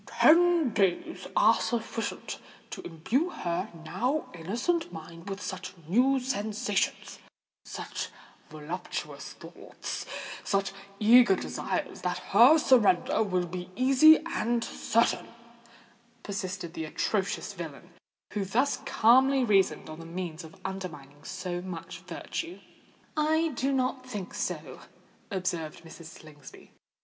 "Ten days are sufficient to imbue her now innocent mind with such new sensations—such voluptuous thoughts—such eager desires, that her surrender will be easy and certain," persisted the atrocious villain, who thus calmly reasoned on the means of undermining so much virtue. "I do not think so," observed Mrs. Slingsby.